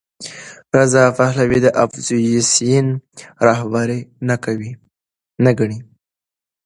رضا پهلوي د اپوزېسیون رهبر نه ګڼي.